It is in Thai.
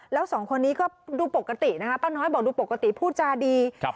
แล้วสองคนนี้ก็ดูปกตินะคะป้าน้อยบอกดูปกติพูดจาดีครับ